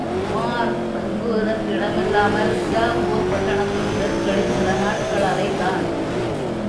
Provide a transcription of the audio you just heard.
உமார் தங்குவதற்கு இடமில்லாமல் நிஜாப்பூர் பட்டணத்தின் தெருக்களில் சில நாட்கள் அலைந்தான்.